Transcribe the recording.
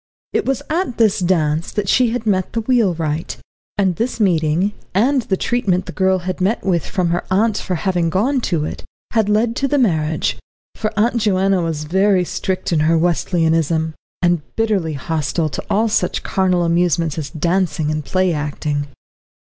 It was at this dance that she had met the wheelwright, and this meeting, and the treatment the girl had met with from her aunt for having gone to it, had led to the marriage. For Aunt Joanna was very strict in her Wesleyanism, and bitterly hostile to all such carnal amusements as dancing and play acting.